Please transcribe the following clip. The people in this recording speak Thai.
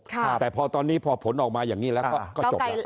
แต่พอตอนนี้พอผลออกมาอย่างนี้แล้วก็จบแล้ว